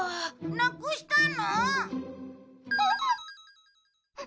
なくしたの？